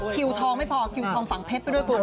คิวทองไม่พอคิวทองฝั่งเพชรไปด้วยคุณ